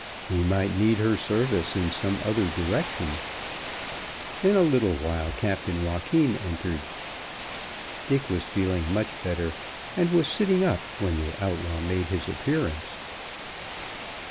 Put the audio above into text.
He might need her service in some other direction. In a little while Captain Joaquin entered. Dick was feeling much better, and was sitting up when the outlaw made his appearance.